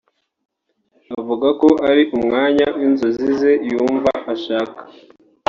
Avuga ko ari umwanya w’inzozi ze yumva ashaka